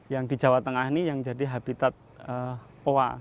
yang di jawa tengah ini yang jadi habitat owa